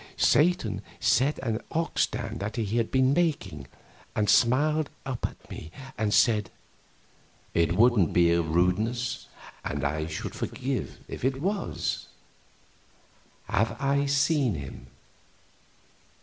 Satan set an ox down that he had been making, and smiled up at me and said: "It wouldn't be a rudeness, and I should forgive it if it was. Have I seen him?